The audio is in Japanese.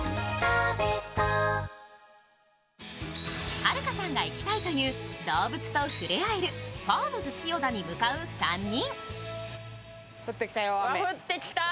はるかさんが行きたいという動物とふれ合えるファームズ千代田に向かう３人。